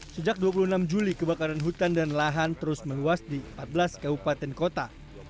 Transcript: sejak dua puluh enam juli kebakaran hutan dan lahan terus meluas di empat belas kabupaten kota